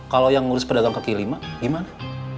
kalau yang ngurus berdatang ke k lima gimana